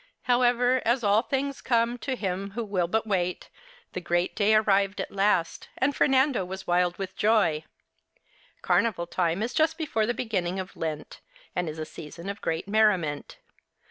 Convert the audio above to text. However, as " all things come to him who will but wait," the great day arrived at last, and Fernando was wild with joy. Carnival time is just before the beginning of Lent, and is a season of great merriment.